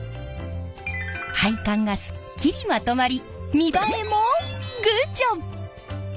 配管がすっきりまとまり見栄えもグッジョブ！